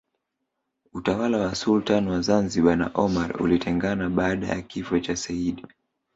Utawala wa Sultan wa Zanzibar na Oman ulitengana baada ya kifo cha Seyyid